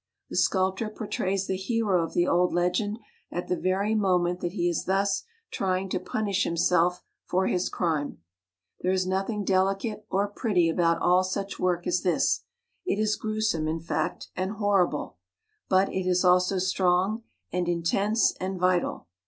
The sculptor portrays the hero of the old legend at the very moment that he is thus trjdng to punish himself for his crime. There is nothing delicate or pretty about all such work as this. It is grewsome in fact, and horrible; but it is also strong and in tense and vital.